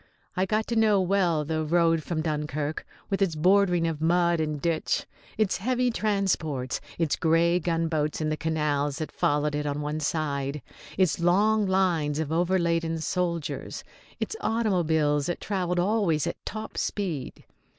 I got to know well the road from Dunkirk, with its bordering of mud and ditch, its heavy transports, its grey gunboats in the canals that followed it on one side, its long lines of over laden soldiers, its automobiles that travelled always at top speed.